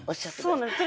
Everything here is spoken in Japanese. そうなんです。